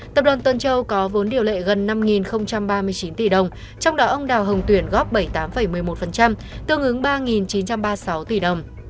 tập đoàn tân châu có vốn điều lệ gần năm ba mươi chín tỷ đồng trong đó ông đào hồng tuyển góp bảy mươi tám một mươi một tương ứng ba chín trăm ba mươi sáu tỷ đồng